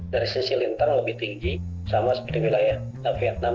dari sisi lintang lebih tinggi sama seperti wilayah vietnam